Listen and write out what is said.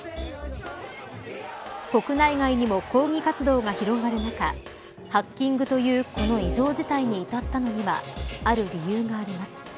国内外にも抗議活動が広がる中ハッキングというこの異常事態に至ったのにはある理由があります。